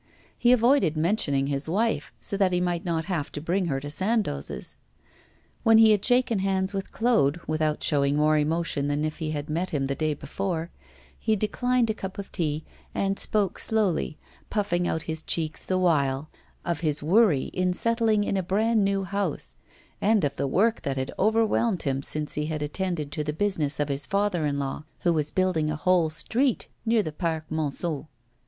He avoided mentioning his wife, so that he might not have to bring her to Sandoz's. When he had shaken hands with Claude, without showing more emotion than if he had met him the day before, he declined a cup of tea and spoke slowly puffing out his cheeks the while of his worry in settling in a brand new house, and of the work that had overwhelmed him since he had attended to the business of his father in law, who was building a whole street near the Parc Monceau.